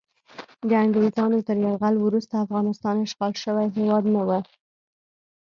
د انګریزانو تر یرغل وروسته افغانستان اشغال شوی هیواد نه و.